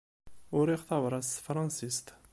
Uriɣ tabrat s tefransist.